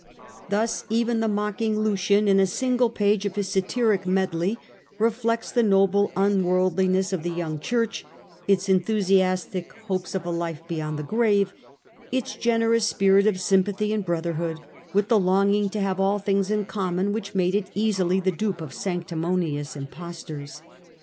Thus even the mocking Lucian, in a single page of his satiric medley, reflects the noble unworldliness of the young church, its enthusiastic hopes of a life beyond the grave, its generous spirit of sym pathy and brotherhood, with the longing to have all things in common, which made it easily the dupe of sanctimonious impostors.